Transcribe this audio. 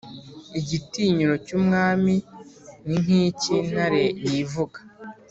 igitinyiro cy’umwami ni nk’icy’intare yivuga